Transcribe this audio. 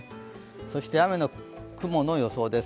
そして雲の予想です。